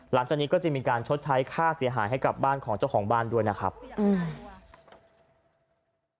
หลังจากนี้ก็จะมีการชดใช้ค่าเสียหายให้กับบ้านของเจ้าของบ้านด้วยนะครับอืม